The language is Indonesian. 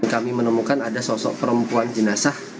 kami menemukan ada sosok perempuan jenazah